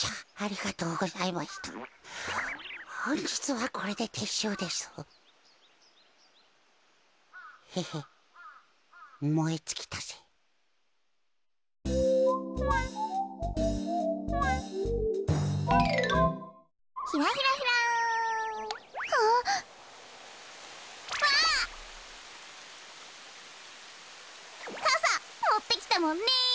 かさもってきたもんね。